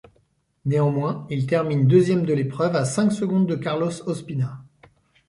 Néanmoins, il termine deuxième de l'épreuve à cinq secondes de Carlos Ospina.